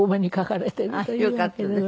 よかったです。